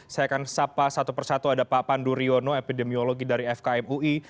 saya akan sapa satu persatu ada pak pandu riono epidemiologi dari fkm ui